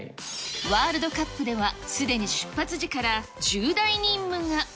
ワールドカップでは、すでに出発時から重大任務が。